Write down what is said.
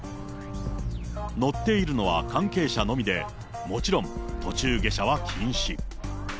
乗っているのは関係者のみで、もちろん途中下車は禁止。